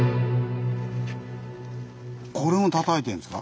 これも叩いてるんですか？